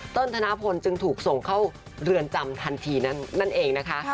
ธนพลจึงถูกส่งเข้าเรือนจำทันทีนั่นเองนะคะ